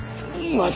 まだ。